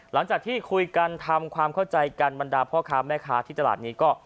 หลังจากที่คุยกันทำความเข้าใจกันบรรดาพ่อค้าแม่ค้าที่ตลาดนี้ก็